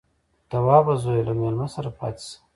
_توابه زويه، له مېلمه سره پاتې شه.